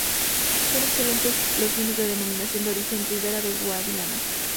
Son excelentes los vinos de denominación de origen Ribera del Guadiana.